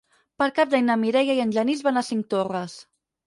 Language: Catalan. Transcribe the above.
Per Cap d'Any na Mireia i en Genís van a Cinctorres.